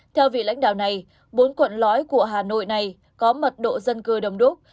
theo vị lãnh đạo này bốn quận lõi của hà nội này có mật độ dân cư đông đúc